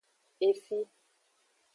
Efi.